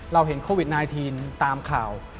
เราเห็นโควิด๑๙ตามข่าว